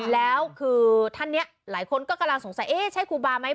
แล้วคือท่านนี้หลายคนก็กำลังสงสัยเอ๊ะใช่ครูบาไหม